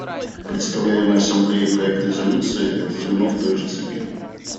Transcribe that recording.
Представляемый Ассамблее проект резолюции — это звено в той же цепи.